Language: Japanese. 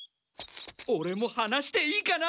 オレも話していいかな？